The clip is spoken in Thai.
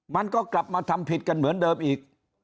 มันก็กลับมาทำผิดกันเหมือนเดิมอีก